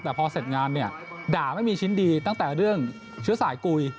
แต่พอเสร็จงานเนี่ยด่าไม่มีชิ้นดีตั้งแต่เรื่องเชื้อสายกุย